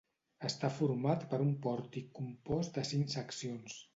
Està format per un pòrtic compost de cinc seccions.